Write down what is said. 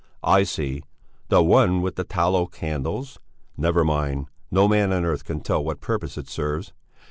"I see! The one with the tallow candles! Never mind; no man on earth can tell what purpose it serves!